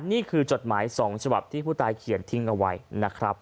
จดหมาย๒ฉบับที่ผู้ตายเขียนทิ้งเอาไว้นะครับ